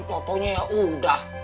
contohnya ya udah